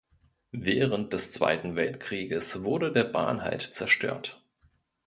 Während des Zweiten Weltkrieges wurde der Bahnhalt zerstört.